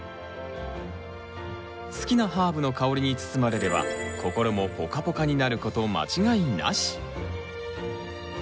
好きなハーブの香りに包まれれば心もポカポカになること間違いなし。